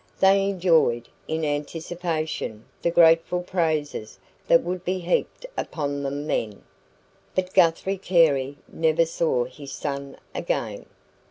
They enjoyed in anticipation the grateful praises that would be heaped upon them then. But Guthrie Carey never saw his son again.